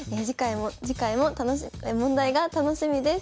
次回も問題が楽しみです。